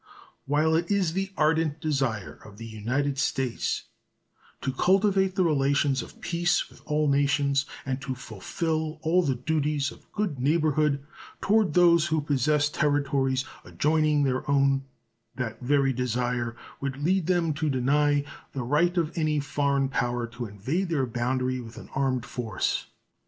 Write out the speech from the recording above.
While it is the ardent desire of the United States to cultivate the relations of peace with all nations and to fulfill all the duties of good neighborhood toward those who possess territories adjoining their own, that very desire would lead them to deny the right of any foreign power to invade their boundary with an armed force.